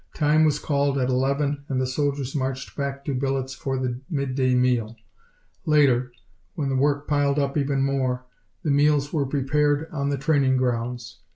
Time was called at eleven and the soldiers marched back to billets for the midday meal. Later, when the work piled up even more, the meals were prepared on the training grounds.